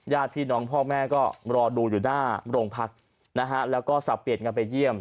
ญาติพี่น้องพ่อแม่ก็รอดูอยู่หน้าโรงพักนะฮะแล้วก็สับเปลี่ยนกันไปเยี่ยม